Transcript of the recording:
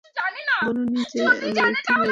বলোনি যে আমার একটি মেয়ে আছে।